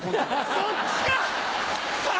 そっちか！